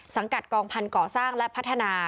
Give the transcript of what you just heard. กัดกองพันธ์ก่อสร้างและพัฒนา